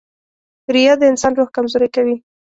• ریا د انسان روح کمزوری کوي.